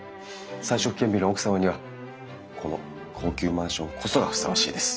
才色兼備の奥様にはこの高級マンションこそがふさわしいです。